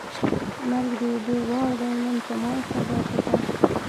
ـ مرګ د اوبو وار دی نن په ما ، سبا په تا.